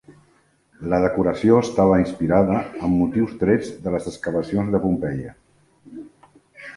La decoració estava inspirada en motius trets de les excavacions de Pompeia.